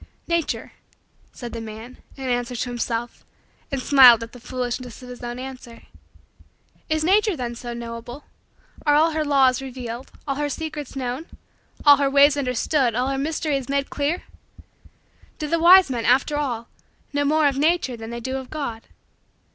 "Nature," said the man, in answer to himself, and smiled at the foolishness of his own answer. Is nature then so knowable? Are all her laws revealed; all her secrets known; all her ways understood; all her mysteries made clear? Do the wise men, after all, know more of nature than they do of God?